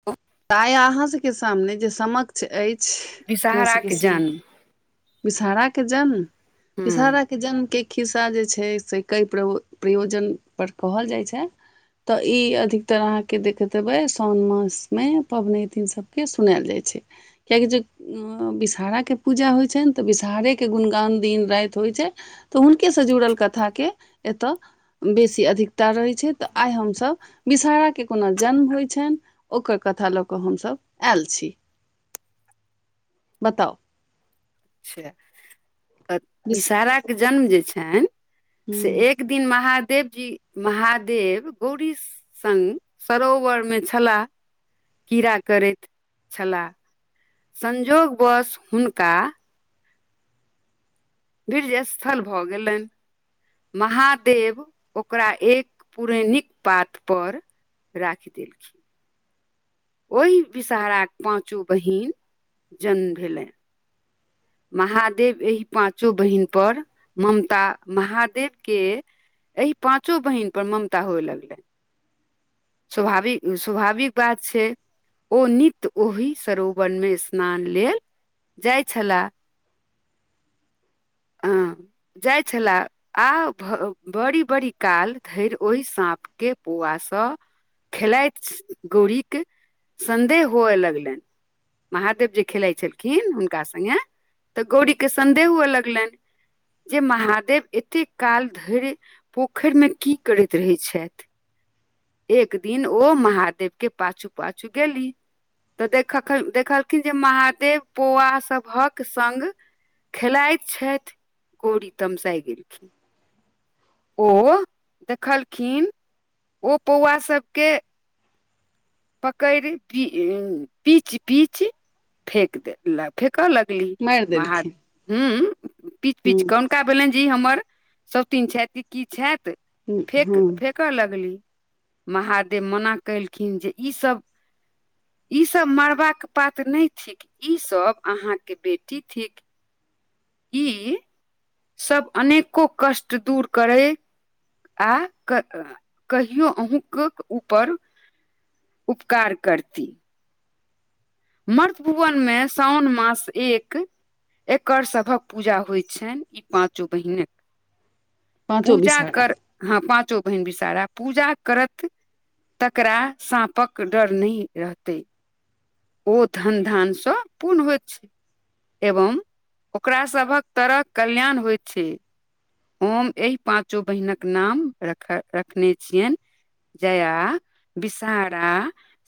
[inaudible] आय अहाँ सबके सामने जे समक्ष अछि अपना सबके विषहराके सामने। जन्म विषहारा के जन्म हूँ विषहारा के जन्म के खिस्सा जे छैय से कइ प्रयोजनपर कहल जाइत छैय। तऽ ई अधिकतर अहाँके देखैत हेबै साओन मास मे पबनैतिन सबके सुनायल जाइ छैय किआकि जे विषहाराके पूजा होइ छनि तऽ विषहारेके गुणगान दिन राति होइत छैय। तऽ हुनके से जुड़ल कथाके एत बेसी अधिकता रहै छैय तऽ आइ हमसभ विषहाराके कोनो जन्म होइत छनि ओकर कथा लऽ कऽ हमसभ आयल छी बताउ। अच्छा त बिस विषहाराके जन्म जे छनि ह से एक एक दिन महादेव जी महादेव गौरी संग सरोवर मे छलाह कीड़ा करैत छलाह। संजोग बस हुनका वीर्य स्थल भऽ गेलनि। महादेव ओकरा एक पुरणिक पात पर राखि देलखिन। ओहि विषहाराक पाचो बहिन जन्म भेलनि। महादेव एहि पाँचो बहिन पर ममता महादेवके एहि पाचो बहिन पर ममता होए लगलै। स्वभाविक स्वभाविक बात छैय। ओ नित्य ओहि सरोवरमे स्नान लेल जाइत छलाह। हँ जाइ छलाह। आ भ बड़ी बड़ी काल धरि ओहि साँपके पोआसँ खेलाइत गौड़ीके संदेह हुए लगलनि। महादेव जे खेलाइत छलखिन हुनका संगे तऽ गौड़ी के संदेह हुअ लगलनि जे महादेव एतेक काल धरि पोखेरमे की करैत रहैत छथि एक दिन ओ महादेव के पाछू पाछू गेली तऽ देख देखलखिन जे महादेव पौआ सभक संग खेलाइत छथि गौरी तमसाय गेलखिन ओ देखलखिन ओ पौआ सबके पकड़ि पीच पीच फेक दे। ल फेकऽ लगली मारि महा देलखिन हुँ पीच पीच कऽ ह हुनका भेलनि जे ई हमर शौतीन छथि की छथि फेक ह फेक। कऽ लगली महादेव मना केलखिन जे ई सब इ सब मरबाका पात न थिक इ सब अहाँ के बेटी थिक ई सभ अनेको कष्ट दूर करय आ कहियो अहूँकेक ऊपर उपकार करती मर्त्य पुवनमे साओन मास एक एकर सभक पूजा होइ छैन इ पाचो बहिनेक पाँचो पूजा बिसहरा कर हँ पाँचो बहिन विषारा पूजा करत तकरा साँपक डर नहि रहते ओ धन धानसँ पूर्ण होइत छै एवं ओकरा सभक तरहक कल्याण होइत छै हम एहि पाचो बहिनक नाम रख रखने छियैन जया विषहारा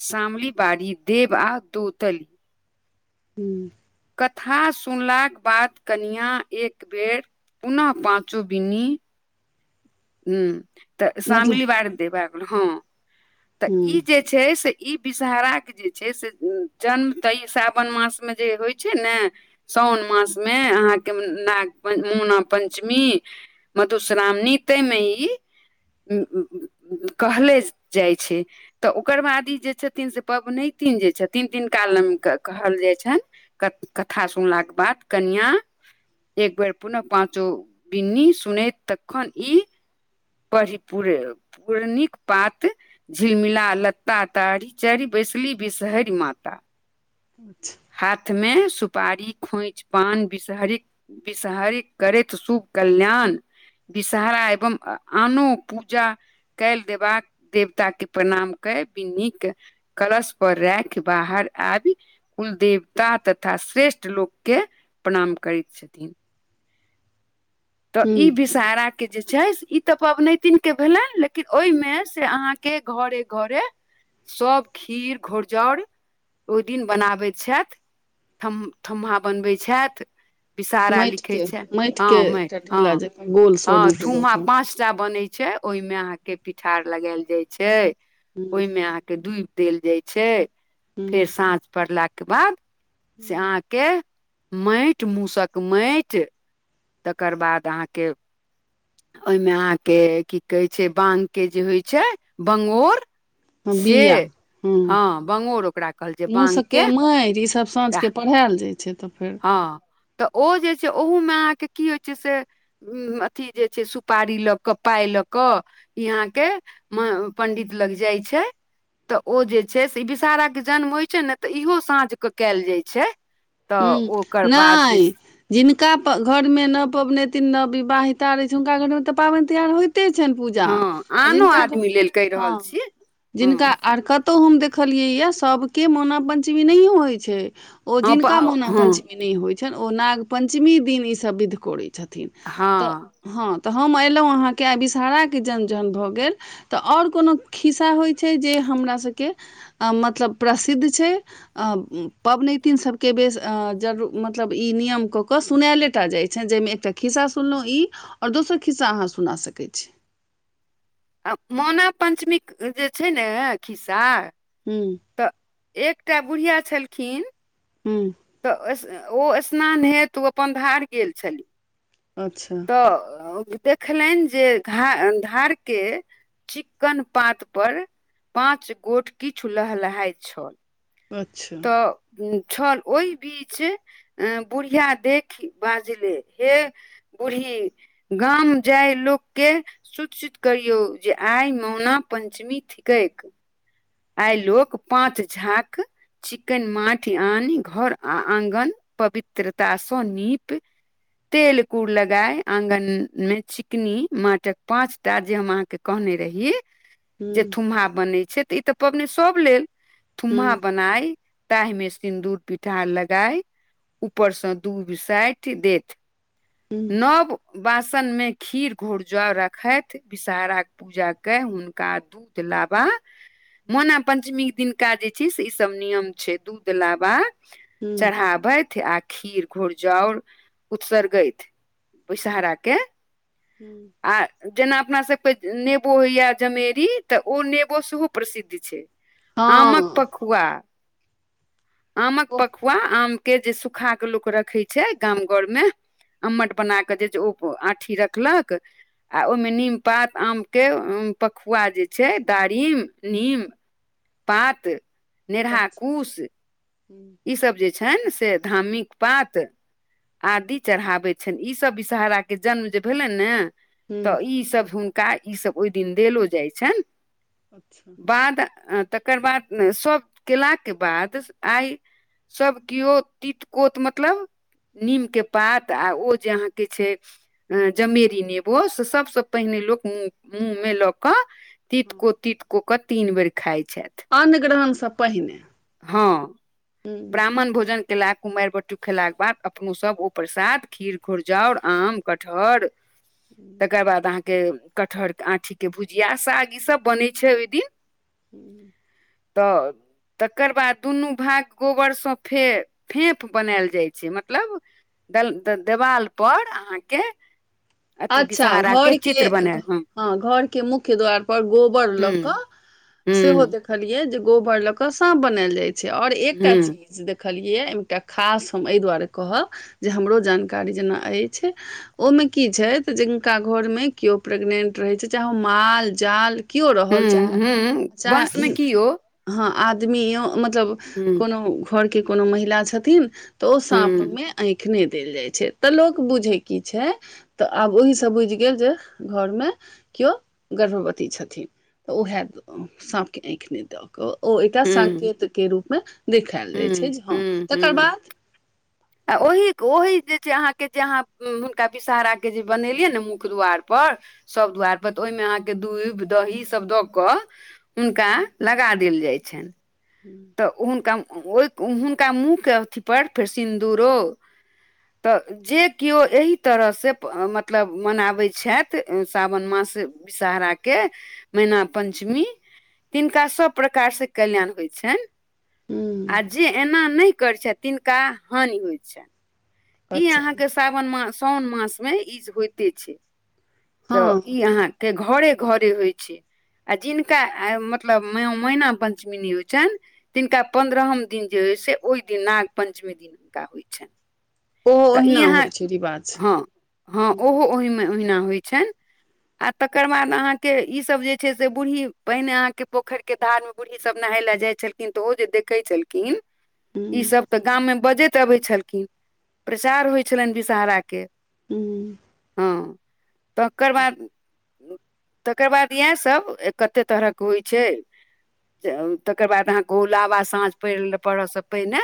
शामली बारी देव आ दूतली हूँ कथा सुनलाक बाद कनियाँ एक बेर पुनः पाँचो बिन्नी हुँ तऽ मतलब शामलीवार दे गेल हँ तऽ ह ई जे जे छै से ई विषहहाराक जे छै से जन्म तऽ ई सावन मासमे जे होइ छै ने सोन मासमे अहाँके नाग पञ मुना पञ्चमी मधुश्रामणी ताहिमे ई कहले जाइ छै तऽ ओकर बाद ई जे छथिन से पबनैतिन जे छथिन तिनका कहल जाइ छै कथा सुनलाके बाद कनियाँ एक बेर पुनः पाचो बिन्नी सुनैत तखन ई पढ़ी पुरे पूरणिक पात झिमला लत्ता तारी चार बैसली बिसहरि माता अच्छा हाथ मे सुपारी खोइछि पान विषहरी विषहरी करैत शुभ कल्याण विषहारा एवं आनो पूजा कैल देबाक देवता के प्रणाम क बिन्नी के कलश पर राख बाहर आबी कुलदेवता तथा श्रेष्ठ लोकके प्रणाम करैत छथिन तऽ ह ई विष सारा के जे छै ई तऽ पबनैतिन के भेलै लेकिन ओहिमे से अहाँके घरे घरे सभ खीर घोरजौर ओहि दिन बनाबैत छथि थुम्हा बनबै छैथ विषहरा लिखै माटिके छै हँ माटिके एकटा ढेला हँ जकाँ गोल [inaudible] हँ स्वरूप दऽ थुम्हा पा कऽ पाँचटा बन छै ओहिमें अहाँकेँ पिठार लगायल जाय छै ओहिमे अह के दुबि देल जाय छै फेर ह साँझ पड़लाक केँ बाद से आहाँकेँ के माइट मूसक माइट तकर बाद अहाँ केँ ओहिमे अहाँकेँ की कहै छै बांग के जे होइ छै बंगोर से बिआ हु हँ बंगोर ओकरा कहल छै मुस बांग के केँ माइट ईसभ साँझ राह। केँ पढ़ायल जाइ छै तऽ फेर हँ तऽ ओ जे छै ओहूमे अहाँ कें की होइ छै से अथि जे छै सुपारी लऽ कऽ पाइ लऽ कऽ इ अहाँ केँ म पंडित लग जाइ छै तऽ ओ जे छै से विषहारा के जन्म होइ छै ने तऽ इहो साँझ के कयल जाय छै हू तऽ ओकर बाद जे नै जिनका घर में न पबनैतन न विवाहिता रहय छै हुनका घर में ते पाबनि तियहार होय ते छनि पूजा हँ आ आनो जिनका आदमी लेल कहि हँ रहल छी [inaudible] हँ जिनका आर कऽ कतहु हम देखलियैए सभ केँ मैना पञ्चमी नहियो होइत छै ओ हँ प जिनका मौना हँ पञ्चमी नहि होइत छनि ओ नाग पञ्चमी दिन ईसभ विध करैत छथिन तऽ हँ हँ तऽ हम अयलहुँ अहाँ केँ आइ विषहारा केँ जन्म जहन भऽ गेल तऽ और कोनो खिस्सा होइ छै जे हमरासभ केँ मतलब प्रसिद्ध छै पबनैतिन सब के बेस जरू मतलब ई नियम कऽ कऽ सुना लेटा जाइत छनि जाहिमे एकटा खिस्सा सुनलहुँ ई और दोसर खिस्सा अहाँ सुना सकैत छी आ मोना पञ्चमी जे छै ने खिस्सा हूँ तऽ एकटा बुढ़िया छलखिन हू तऽ ओ स्नान हेत ओ अपन धार गेल छली अच्छ तऽ देखलनि जे धा धार केँ चिक्कन पात पर पाँच गोट किछु लहलहाइत छल अच्छ छल ओहि बीच बुढ़िया देखि बाजले हे बुढ़ी गाम जाइ लोक केँ सुत सुत करियौ जे आइ मौना पञ्चमी थिकक आइ लोक पाँच झाँक चिकन माठि आन घर आ आँगन पवित्रतासँ नीप तेल कूड़ लगाय आंगन में चिकनी माटक पांच टा जे हम अहा केँ कहने रहि जे हूँ थुम्हा बनै छै तऽ ई तऽ पाबनि सभ लेल थुम्हा हूँ बनाइ ताहि मे सिन्दूर पिठार लगाय ऊपर से दूभ साइट देत हूँ सब बासन मे खीर घूर ज राखथि विषहरा पूजा केँ हुनका दूध लाबा मोना पंचमी दिनका जे छैय से ई सब नियम छैय दूध लाबा हूँ चढ़ाबथि आ खीर घोर जार उत्सर्गथि। विषहराके हूँ आ जेना अपना सभके नेबो होइया जमेरी तऽ ओ नेबो सेहो प्रसिद्ध छैय। आमक हँ पखुआ आमक ओ पखुआ आम के जे सुखाके लोक रखै छैय गाम घरमे। अम्मट बनाक जे ओ आँठी रखलक। आ ओहिमे नीमपात आमके पकुआ जे छैय दारिम नीम। पात नेरहा कूश हू ईसभ जे छैनि से धार्मिक पात आदि चढ़ाबे छनि ई सब विषहराके जन्म जे भेलनि ने हूँ तऽ ईसभ हुनका ईसभ ओहि दिन देलो जाइ छनि। अच्छा बाद तकर बाद सब केलाके बाद आइ सभ केओ तितकोत मतलब नीमके पात आ ओ जे अहाँके छैय अ जमेरी नेबो से सभसँ पहिने लोक मु मुँह मे लऽ कऽ हँ तितको तितको कऽ तीन बेर खाइत छथि। अन ग्रहणसँ पहिने। हँ हूँ ब्राह्मण भोजन केला कुमारि बटु खेलाके बाद अपनो सब ओ प्रसाद खीर घुरजाउर आम कटहर तकर बाद अहाँके कठहर आँठीके भुजिया साग ईसभ बनै छैय ओहि दिन। हँ तऽ तकर बाद दुनू भाग गोबरसँ फे फेप बनायल जाइ छैय मतलब दल देवाल पर अहाँके अथि अच्छा विषहारा के घरके चित्र बनायल ह हँ घरके मुख्य द्वार पर गोबर लऽ कऽ हू सेहो देखलियै जे गोबर लऽ के साँप बनायल जाय छैय और एकटा हूँ चीज देख देखलियै एकटा खास हम एहि दुआरे कहब जे हमरो जानकारी जेना अछि ओहिमे की छथि जिनका घरमे केओ प्रेगनेंट रहैत छैय चाहे माल जाल केओ रहल चाहे हूँ हूँ वंश चाहे मे ई की यौ हँ आदमीयो मतलब हूँ कोनो घरके कोनो महिला छथिन तऽ ओ हूँ साँपमे आँखि नहि देल जाइ छैय तऽ लोक बुझे की छैय तऽ आब ओहसँ बुझि गेल जे घरमे केओ गर्भवती छथिन तऽ उएह साँपकेँ आँखि नहि द। ओ एकटा हूँ संकेतके रूपमे देखायल जाइ छैय हूँ जे हँ हूँ तकर हूँ बाद आ ओहि ओहि जे छैय अहाँके जे अहाँ हुनका विषहाराके जे बनेलियै ने मुख द्वारपर सभ दुआरिपर तऽ ओहिमे अहाँके दूधि दहीसभ दऽ कऽ हुनका लगा देल जाइ छनि। हूँ तऽ हुनका ओहि हुनका मूँहके अथिप फेर सिन्दूरो तऽ जे केओ एहि तरहसँ मतलब मनाबैत छथी सावन मास विषहराके मैना पंचमी तिनका सब प्रकारसे कल्याण होय छनि ह आ जे एना नहि करैत छथि तिनका हानि होइत छनि। ई अच्छा अहाँ केँ सावन मास साओन मास मे ईज होइते छै तऽ हँ इ अहाँ। घर घर होइ छै। जिनका आए मतलब मै मैना पञ्चमि नै होइ छैन तिनका पन्द्रहम दिन जे अइ से ओहि दिन नाग पञ्चमी दिन हुनका होइत छनि। ओहो त ई ओहिना अहाँ होइ छै रिवाज हँ हँ ओहो ओहिमे ओहिना होइ छैन आ तकर बाद अहाँ केँ इ सब जे छै से बूढ़ी पाइन आहाँ केँ पोखर के धार मे। बूढ़ी सब नहाय ले जाइ छलखिन तऽ ओहो जे देखै छलखिन। ह ईसभ तऽ गाममे बजैत अबै छलखिन प्रचार होइ छलैन विषहरा केँ [unintelligible] हँ [inaudible] तकर बाद। तकर बाद इएह सब कते तरहक होइ छै। तकर बाद अहाँकेँ ओ लाबा साँझ पड़य ल पड़त से पहिने।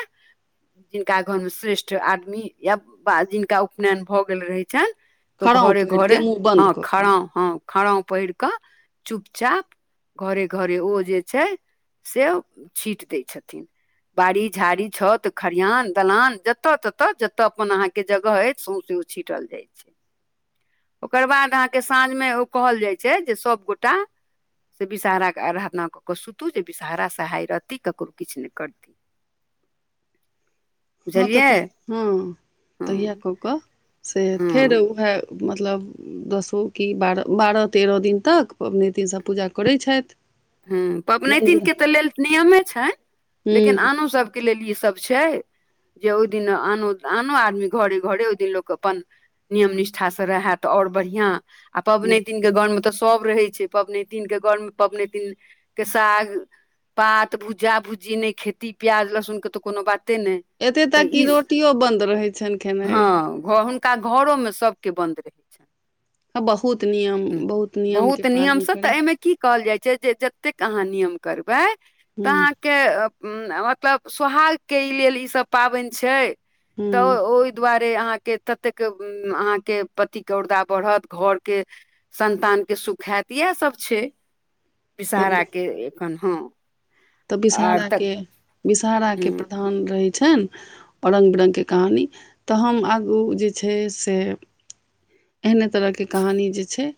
जिनका घरमे श्रेष्ठ आदमी या जिनका उपनयन भऽ गेल रहै छैन तऽ खड़ाउं घरे पहिर घरे के मुँह बन्द हँ कऽ कऽ खराम हँ खराम पहिर कऽ चुपचाप। घरे घरे ओ जे छै से छीट दय छथिन। बाड़ी झाड़ी छत खरिहान दलान जतऽ ततऽ ज। तऽ अपन अहाँ केँ जगह अछि सौंसे ओ छीटल जाय छै। ओकर बाद अहाँ केँ साँझमे ओ कहल जाइ छै जे सभ गोटा। से विषहारा कऽ आराधन कऽ कऽ सुतू जे विषहारा सहाय रहती ककरो किछ नहि करती [inaudible] हँ बुझलियै तऽ हँ हँ तहिया कऽ कऽ से फेर हँ उएह मतलब। दसो कि बारह बारह तेरह दिन तक पबनैतिन सभ पूजा करैत छैथ हू पबनैतिन तऽ लेल नियमे छनि लेकिन हूँ आनोसभ। के लेल ई सब छै जे ओहि दिन आनो आनो आदमी घरे घरे ओहि दिन लोक अपन। नियम निष्ठासँ रहा तऽ और बढ़िआँ। आ पबनी दिनक के घर मे तऽ सब रहे छै पवनी दिन केँ घर मे पवने दिन केँ साग पात भुज्जा भुज्जी नै खेती प्याज लहसुन के तऽ कोनो बाते नै एते तक क रोटियो बंद रहे छनि खेनाइ। ह घ हुन हुनका घरोमे सभ केँ बन्द रहैत छैन। आ बहुत नियम बहुत नियम केँ पालन नियमसँ तऽ करै। एहिमे की कहल जाइ छै जे जतेक अहाँ नियम करबै तऽ हूँ अहाँ। के मतलब सोहाग केँ लेल इ सब पाबन छै। हूँ तऽ ओहि दुआारे। अहाँ केँ ततेक अहाँ केँ पति और्दा बढ़त घरके। संन्तान केँ सुख हात इएह सब छै तऽ विषहरा केँ एखन हँ। तऽ आर विषहहार तऽ के विषहरा केँ ह प्रधान रहैत छनि रंग बिरंग केँ कहानी तऽ हम आगू जे छै से। एहने तरह केँ कहानी जे छै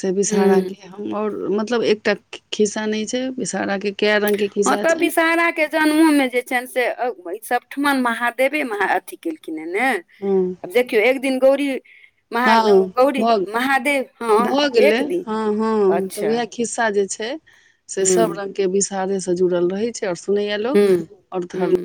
से बिषहारा ह केँ अहाँ और मतलब एकटा खिस्सा न छै विषरा केँ कै रंग केँ। ह तऽ विषहरा के जन्मो में जे छनि से सबठम महादेवे म अथी केलखिन है ने हँ आब देखियौ एक दिन गौड़ी महान हँ गैड़ी भऽ महादेव हँ भऽ गेलै एक दिन हँ हँ तऽ अच्छ उएह खिस्सा जे छै से सब रंग के विषहारे से जुड़ल रहै छै और सुनैया लोक हूँ और हूँ धर्म